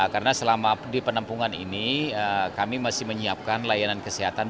karena selama di penampungan ini kami masih menyiapkan layanan kesehatan